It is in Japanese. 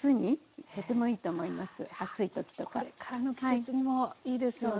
これからの季節にもいいですよね。